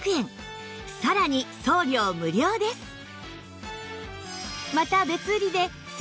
さらに送料無料です